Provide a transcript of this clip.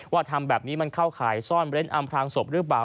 ทำแบบนี้มันเข้าข่ายซ่อนเร้นอำพลางศพหรือเปล่า